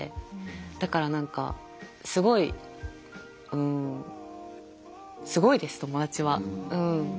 だから何かすごいうんすごいです友達はうん。